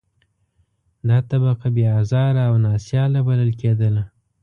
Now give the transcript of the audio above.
دا طبقه بې آزاره او نا سیاله بلل کېدله.